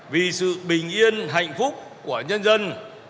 vì sự bình yên hạnh phúc của nhân dân